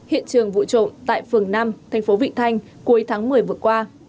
hiện trường vụ trộm tại phường năm thành phố vị thanh cuối tháng một mươi vừa qua